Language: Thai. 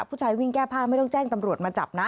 ผู้ชายวิ่งแก้ผ้าไม่ต้องแจ้งตำรวจมาจับนะ